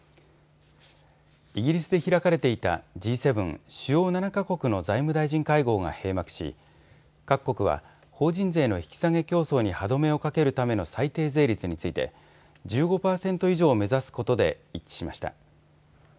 イギリスで開かれていたＧ７＝主要７か国の財務大臣会合が閉幕し各国は法人税の引き下げ競争に歯止めをかけるための最低税率について１５％以上を目指すことで一致しました。